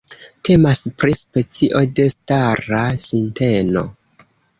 Temas pri specio de stara sinteno.